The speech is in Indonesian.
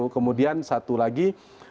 kemudian satu lagi